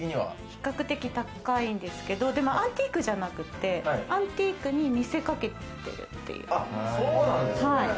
比較的高いんですけど、でもアンティークじゃなくて、アンティークに見せかけてるっていう。